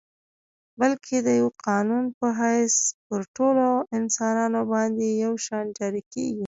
بلکه د یوه قانون په حیث پر ټولو انسانانو باندي یو شان جاري کیږي.